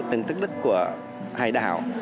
từng tức đất của hải đảo